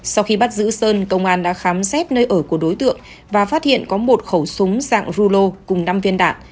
sau khi bắt giữ sơn công an đã khám xét nơi ở của đối tượng và phát hiện có một khẩu súng dạng rulo cùng năm viên đạn